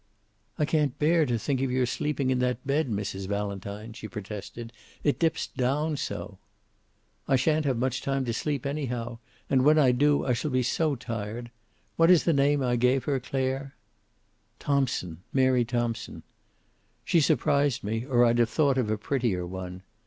"I can't bear to think of your sleeping in that bed, Mrs. Valentine," she protested. "It dips down so." "I shan't have much time to sleep, anyhow. And when I do so I shall be so tired! What was the name I gave her, Clare?" "Thompson. Mary Thompson." "She surprised me, or I'd have thought of a prettier one."